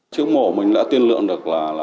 trước mổ mình đã tiên lượng được là